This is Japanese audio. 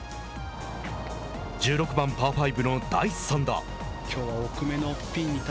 １６番パー５の第３打。